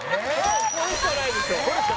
これしかないでしょ